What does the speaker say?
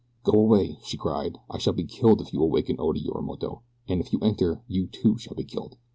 "Go away!" she cried. "I shall be killed if you awaken Oda Yorimoto, and, if you enter, you, too, shall be killed."